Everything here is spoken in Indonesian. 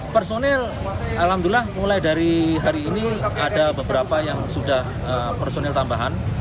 personil alhamdulillah mulai dari hari ini ada beberapa yang sudah personil tambahan